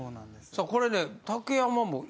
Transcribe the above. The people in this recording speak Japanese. さあこれね。